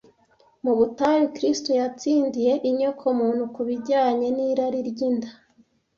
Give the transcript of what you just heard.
Mu butayu Kristo yatsindiye inyokomuntu ku bijyanye n’irari ry’inda